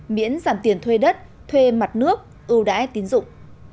miễn giảm tiền thuê đất thuê mặt nước ưu đãi tín dụng